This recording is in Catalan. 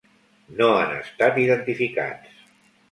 No han estat identificats.